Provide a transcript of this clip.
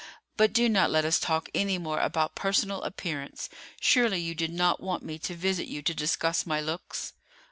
But do not let us talk any more about personal appearance. Surely you did not want me to visit you to discuss my looks?"